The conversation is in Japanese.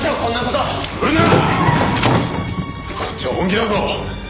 こっちは本気だぞ。